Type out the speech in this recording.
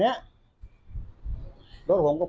พี่เกียจพูดดวยแล้วจะจัดทาง